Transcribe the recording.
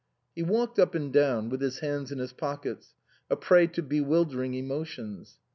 He walked up and down with his hands in his pockets, a prey to bewildering emotions.